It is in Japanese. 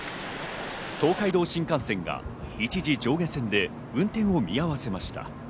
東海道新幹線が一時、上下線で運転を見合わせました。